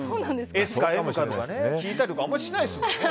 ＳかＭか聞いたりとかあまりしないですよね。